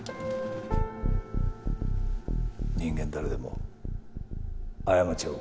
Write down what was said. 人間誰でも過ちは犯す。